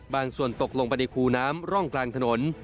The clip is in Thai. ส่วนตกลงไปในคูน้ำร่องกลางถนน